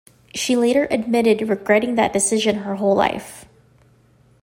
She later admitted regretting that decision her whole life.